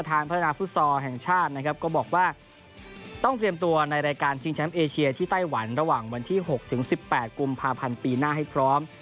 พัฒนาฟุตซอลแห่งชาตินะครับก็บอกว่าต้องเตรียมตัวในรายการชิงแชมป์เอเชียที่ไต้หวันระหว่างวันที่๖ถึง๑๘กุมภาพันธ์ปีหน้าให้พร้อม